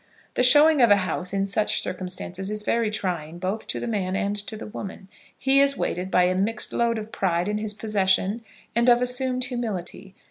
The showing of a house in such circumstances is very trying, both to the man and to the woman. He is weighted by a mixed load of pride in his possession and of assumed humility.